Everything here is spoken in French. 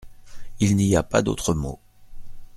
Il n’y a pas d’autre mot.